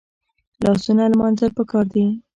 لاسونه لمانځل پکار دي